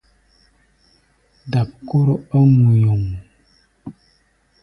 Dap kóró ɔ́ ŋuyuŋ.